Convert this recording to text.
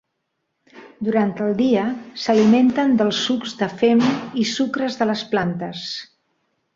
Durant el dia, s'alimenten dels sucs de fem i sucres de les plantes.